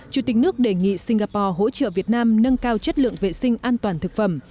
chủ tịch nước đề nghị singapore hỗ trợ việt nam nâng cao chất lượng vệ sinh an toàn thực phẩm